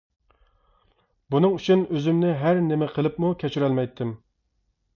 بۇنىڭ ئۈچۈن ئۆزۈمنى ھەر نېمە قىلىپمۇ كەچۈرەلمەيتتىم.